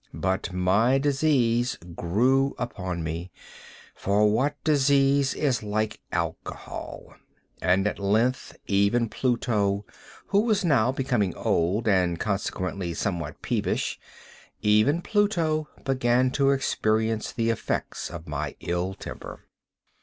But my disease grew upon me—for what disease is like Alcohol!—and at length even Pluto, who was now becoming old, and consequently somewhat peevish—even Pluto began to experience the effects of my ill temper.